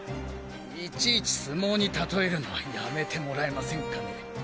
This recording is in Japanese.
いちいち相撲に例えるのはやめてもらえませんかね。